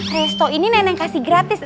resto ini nenek kasih gratis